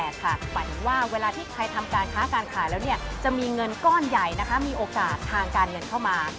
ฝันว่าเวลาที่ใครทำการค้าการขายแล้วจะมีเงินก้อนใหญ่มีโอกาสทางการเงินเข้ามา